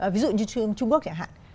ví dụ như trung quốc chẳng hạn